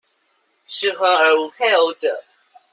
適婚而無配偶者